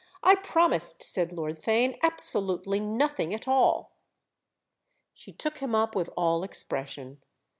I promised," said Lord Theign, "absolutely nothing at all!" She took him up with all expression.